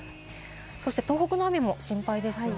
そして東北の雨も心配です。